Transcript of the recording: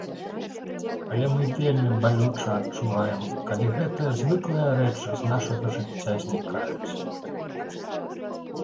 Але мы вельмі балюча адчуваем, калі гэтыя звыклыя рэчы з нашага жыцця знікаюць.